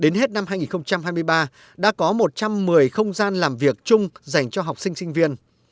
đến hết năm hai nghìn hai mươi ba đã có một trăm một mươi không gian làm việc chung dành cho học sinh sinh viên